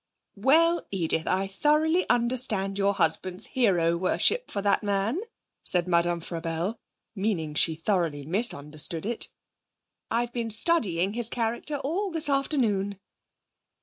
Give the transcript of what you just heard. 'Well, Edith, I thoroughly understand your husband's hero worship for that man,' said Madame Frabelle (meaning she thoroughly misunderstood it). 'I've been studying his character all this afternoon.'